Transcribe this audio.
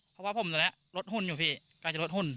เพราะว่าผมตอนเนี้ยรถหุ้นอยู่พี่กลายจะรถหุ้น